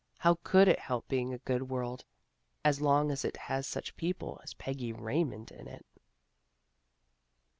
" How could it help being a good world as long as it has such people as Peggy Raymond in it?